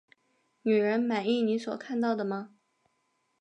女人，满意你所看到的吗？